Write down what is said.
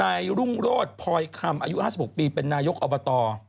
รุ่งโรธพลอยคำอายุ๕๖ปีเป็นนายกอบต